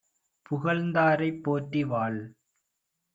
புகழ்ந்தாரைப் போற்றி வாழ்.